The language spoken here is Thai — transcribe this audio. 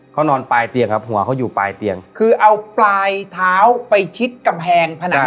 เขานอนปลายเตียงครับหัวเขาอยู่ปลายเตียงคือเอาปลายเท้าไปชิดกำแพงผนัง